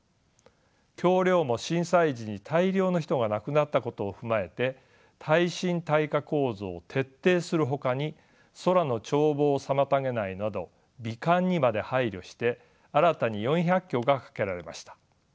橋梁も震災時に大量の人が亡くなったことを踏まえて耐震耐火構造を徹底するほかに空の眺望を妨げないなど美観にまで配慮して新たに４００橋がかけられました。